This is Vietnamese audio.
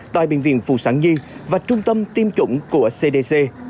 tại bệnh viện phụ sản nhi và trung tâm tiêm chủng của cdc